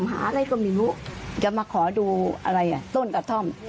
หาอะไรก็ไม่รู้จะมาขอดูอะไรอ่ะต้นกระท่อม